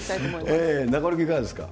中丸君、いかがですか。